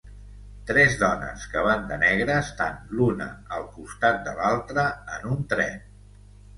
Tres dones que van de negre estan l'una al costat de l'altra en un tren.